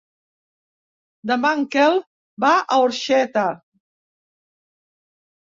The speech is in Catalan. Demà en Quel va a Orxeta.